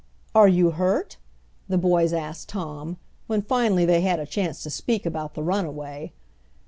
"Are you hurt?" the boys asked Tom, when finally they had a chance to speak about the runaway.